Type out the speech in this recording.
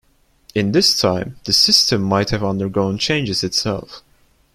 In this time, the system might have undergone changes itself.